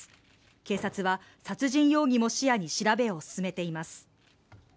警察は殺人容疑も視野に調べを進めています。